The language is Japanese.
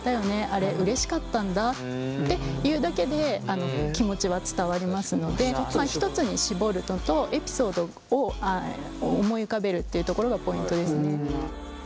あれうれしかったんだって言うだけで気持ちは伝わりますので１つに絞るのとエピソードを思い浮かべるっていうところがポイントですね。